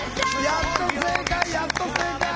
やっと正解やっと正解。